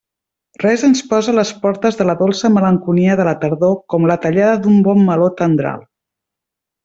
Res ens posa a les portes de la dolça malenconia de la tardor com la tallada d'un bon meló tendral.